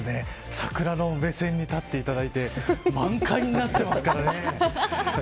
桜の目線に立っていただいて満開になってますからね。